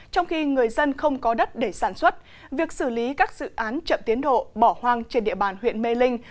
trong khi người dân không có đất để sản xuất việc xử lý các dự án chậm tiến độ bỏ hoang trên địa bàn huyện mê linh